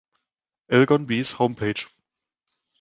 Elgon Bees homepage